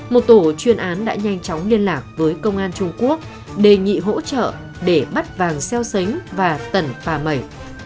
một tổ chuyên án đã nhanh chóng liên lạc với công an trung quốc đề nghị hỗ trợ để bắt vàng xeo xánh và tẩn phà mẩy